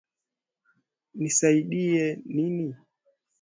Nikusaidie nini?